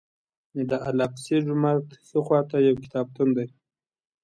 د الاقصی جومات ښي خوا ته یو کتابتون دی.